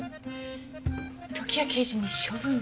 時矢刑事に処分とかは？